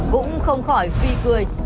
cũng không khỏi phi cười